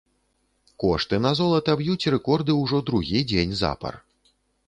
Кошты на золата б'юць рэкорды ўжо другі дзень запар.